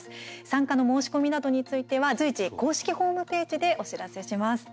参加の申し込みなどについては随時公式ホームページでお知らせします。